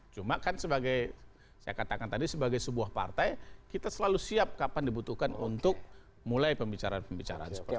cuma kan sebagai saya katakan tadi sebagai sebuah partai kita selalu siap kapan dibutuhkan untuk mulai pembicaraan pembicaraan seperti itu